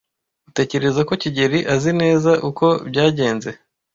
Utekereza ko kigeli azi neza uko byagenze?